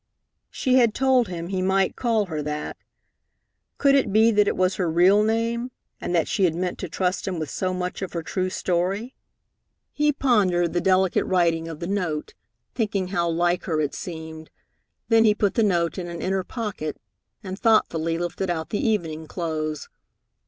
She had told him he might call her that. Could it be that it was her real name, and that she had meant to trust him with so much of her true story? He pondered the delicate writing of the note, thinking how like her it seemed, then he put the note in an inner pocket and thoughtfully lifted out the evening clothes.